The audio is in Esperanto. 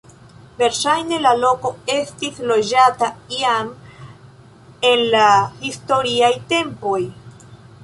Verŝajne la loko estis loĝata jam en la historiaj tempoj.